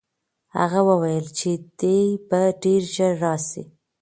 هغه وویل چې دی به ډېر ژر راسي.